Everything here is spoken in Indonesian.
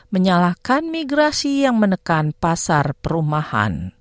menyalahkan migrasi yang menekan pasar perumahan